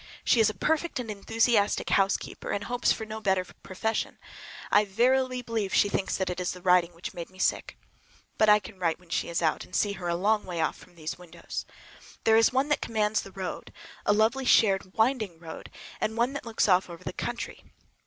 She is a perfect, and enthusiastic housekeeper, and hopes for no better profession. I verily believe she thinks it is the writing which made me sick! But I can write when she is out, and see her a long way off from these windows. There is one that commands the road, a lovely, shaded, winding road, and one that just looks off over the country.